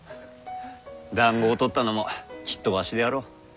だんごをとったのもきっとわしであろう。